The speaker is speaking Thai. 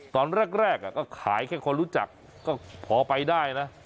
ตอนแรกก็ขายแค่คนรู้จักก็พอไปได้นะ